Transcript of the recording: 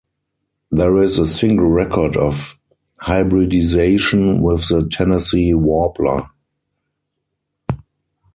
There is a single record of hybridization with the Tennessee warbler.